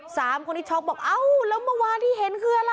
สามคนที่ช็อกบอกเอ้าแล้วเมื่อวานที่เห็นคืออะไร